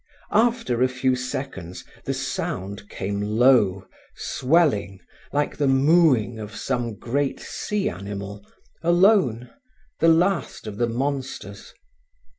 After a few seconds the sound came low, swelling, like the mooing of some great sea animal, alone, the last of the monsters.